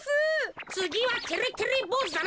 つぎはてれてれぼうずだな。